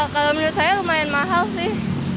kalau menurut saya lumayan mahal sih